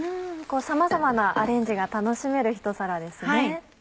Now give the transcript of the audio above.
さまざまなアレンジが楽しめるひと皿ですね。